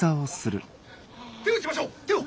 手を打ちましょう手を。